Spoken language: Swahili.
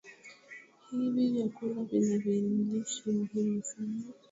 hivi vyakula vina viinilishe muhimu sana